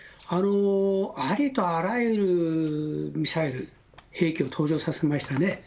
ありとあらゆるミサイル、兵器を登場させましたね。